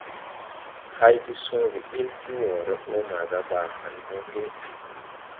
Hay de sõõge ɓil ti wɔɔre ɓɔ maga Baa hããn mo Ŋgiŋ.